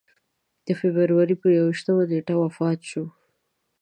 د فبروري پر یوویشتمه نېټه وفات شو.